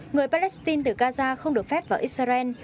người palestine từ gaza không được phép vào israel